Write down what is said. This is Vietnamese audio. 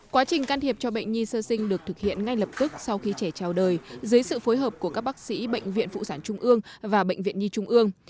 quá trình can thiệp cho bệnh nhi sơ sinh được thực hiện ngay lập tức sau khi trẻ trao đời dưới sự phối hợp của các bác sĩ bệnh viện phụ sản trung ương và bệnh viện nhi trung ương